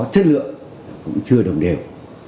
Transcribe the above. chất lượng cũng chưa đồng đều